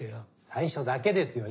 最初だけですよ